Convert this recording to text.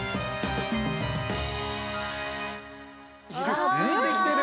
「ああついてきてる！」